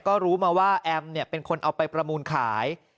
ก็รู้มาว่าแอมเป็นคนเอาไปประมูลขาย